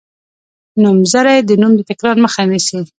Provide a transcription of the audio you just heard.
نومځری د نوم د تکرار مخه ښيي.